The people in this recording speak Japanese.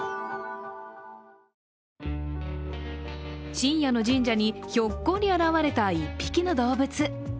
深夜の神社に、ひょっこり現れた１匹の動物。